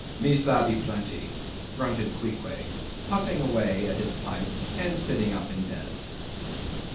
"Me sabbee plenty"—grunted Queequeg, puffing away at his pipe and sitting up in bed.